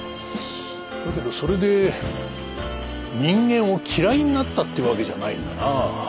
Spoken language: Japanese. だけどそれで人間を嫌いになったってわけじゃないんだな。